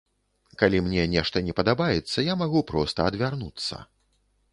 Калі мне нешта не падабаецца, я магу проста адвярнуцца.